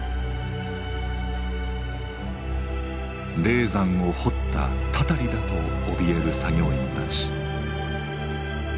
「霊山を掘ったたたりだ」とおびえる作業員たち。